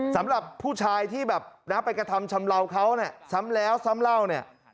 สำหรับผู้ชายที่แบบนะไปกระทำชำเลาเขาเนี่ยซ้ำแล้วซ้ำเล่าเนี่ย